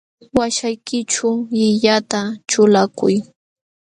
Waśhaykićhu llillata ćhulakuy.